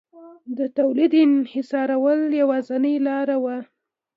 د تولید انحصارول یوازینۍ لار وه